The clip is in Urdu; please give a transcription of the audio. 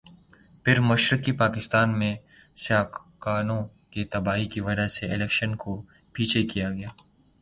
پھر مشرقی پاکستان میں سائیکلون کی تباہی کی وجہ سے الیکشن کو پیچھے کیا گیا۔